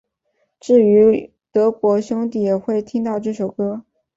至于德国兄弟会也会听到这首歌曲。